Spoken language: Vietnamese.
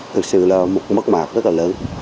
thật sự là một mất mạc rất là lớn